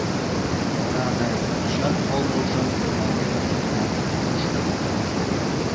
— Ораде, «чын огылжым» тыланет ончыктат, пуштыт.